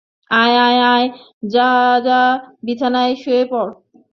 আয়, আয়, যার যার বিছানায় শুয়ে পড়।